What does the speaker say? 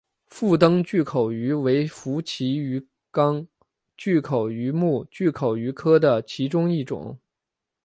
腹灯巨口鱼为辐鳍鱼纲巨口鱼目巨口鱼科的其中一种。